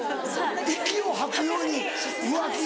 息を吐くように浮気。